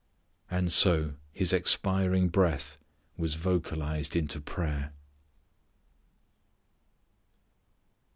And so His expiring breath was vocalized into prayer.